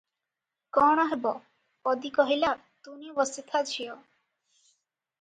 କଣ ହେବ?" ପଦୀ କହିଲା, "ତୁନି ବସିଥା ଝିଅ ।